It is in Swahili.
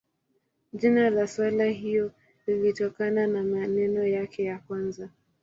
Jina la sala hiyo linatokana na maneno yake ya kwanza.